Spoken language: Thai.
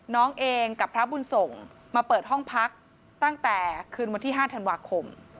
น้องเองกับพระบุญส่งมาเปิดห้องพักตั้งแต่คืนวันที่๕ธันวาคม